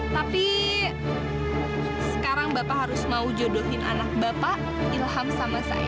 tapi sekarang bapak harus mau jodohin anak bapak ilham sama saya